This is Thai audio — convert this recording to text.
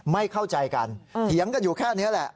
ไม่เข้าใจกันเถียงกันอยู่แค่นี้แหละ